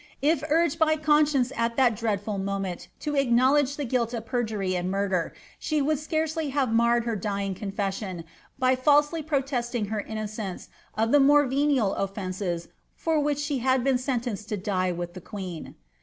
If urged by conscience at that dreadful moment to acknowledge che guilt of peijury and murder, she would scarcely have marred her dying confession by falsely protesting her innocence of the more venial oflences for which she had been sentenced to die with the queen.